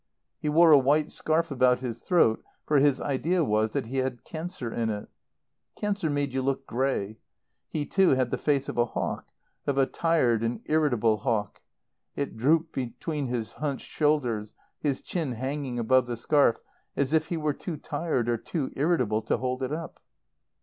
He wore a white scarf about his throat, for his idea was that he had cancer in it. Cancer made you look grey. He, too, had the face of a hawk, of a tired and irritable hawk. It drooped between his hunched shoulders, his chin hanging above the scarf as if he were too tired or too irritable to hold it up.